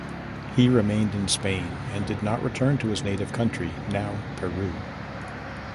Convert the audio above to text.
He remained in Spain and did not return to his native country, now Peru.